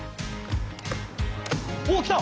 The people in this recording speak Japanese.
おっきた！